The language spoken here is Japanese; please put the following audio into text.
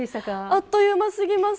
あっという間すぎます。